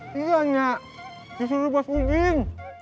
tidaknya disuruh buat udin